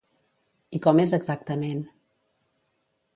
I com és exactament?